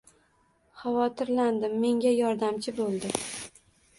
Xavotirlandim, menga yordamchi bo‘ldi.